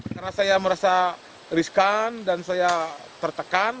karena saya merasa riskan dan saya tertekan